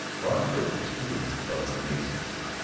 Bob Berkley, too, had developed amazingly.